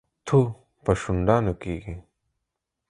تو په شونډانو کېږي.